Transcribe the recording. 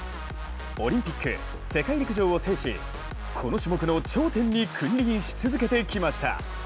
オリンピック、世界陸上を制しこの種目の頂点に君臨し続けてきました。